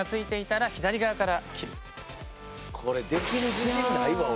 これできる自信ないわ俺。